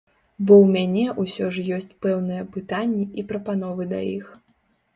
Бо ў мяне ўсё ж ёсць пэўныя пытанні і прапановы да іх.